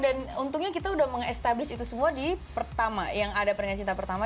dan untungnya kita udah menge establish itu semua di pertama yang ada perkenaan cinta pertama